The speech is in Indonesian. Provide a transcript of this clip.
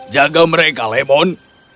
jaga mereka lemon